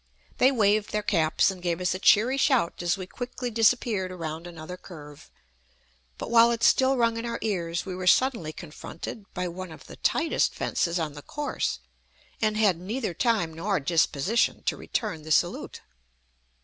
They waved their caps and gave us a cheery shout as we quickly disappeared around another curve; but while it still rung in our ears we were suddenly confronted by one of the tightest fences on the course, and had neither time nor disposition to return the salute.